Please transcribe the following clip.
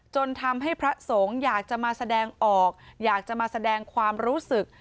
จนทำให้พระสงฆ์อยากจะมาแสดงออกอยากจะมาแสดงความรู้สึก